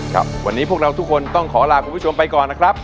ครับวันนี้พวกเราทุกคนต้องขอลาคุณผู้ชมไปก่อนนะครับ